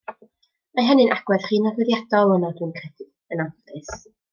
Mae hynny'n agwedd rhy nodweddiadol yno dwi'n credu, yn anffodus.